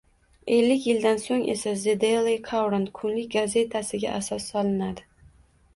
Ellik yildan so‘ng esa «The Daily Courant» kunlik gazetasiga asos solinadi.